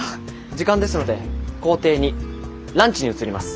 時間ですので行程２ランチに移ります。